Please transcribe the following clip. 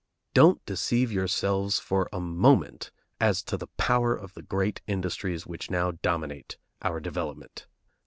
Don't deceive yourselves for a moment as to the power of the great interests which now dominate our development.